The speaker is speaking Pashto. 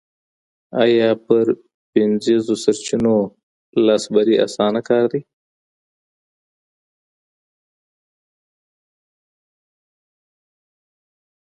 ايا پر پنځيزو سرچينو لاسبری اسانه کار دی؟